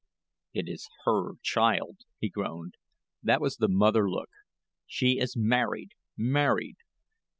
"It is her child," he groaned. "That was the mother look. She is married married."